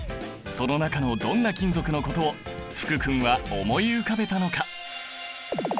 その中のどんな金属のことを福君は思い浮かべたのか。